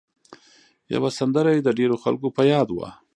یوه سندره یې د ډېرو خلکو په یاد وه.